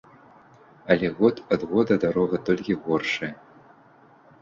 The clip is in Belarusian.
Але год ад года дарога толькі горшае.